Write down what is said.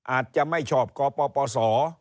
อาจจะไม่ชอบกปศ